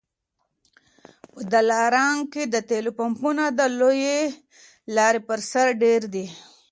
په دلارام کي د تېلو پمپونه د لويې لارې پر سر ډېر دي